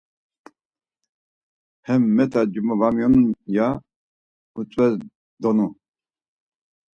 Hem met̆a cuma var miyonunan, ya utzves donu.